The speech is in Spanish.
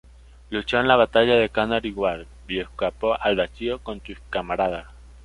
Luchó en la batalla de Canary Wharf y escapó al Vacío con sus camaradas.